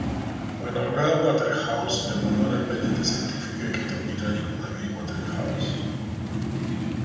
Fue nombrado Whitehouse en honor al periodista científico y escritor británico David Whitehouse.